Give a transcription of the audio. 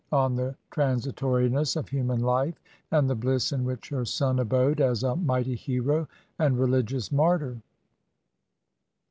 on the tran sitoriness of human life and the bliss in which her son abode as a mighty hero and religious martyr.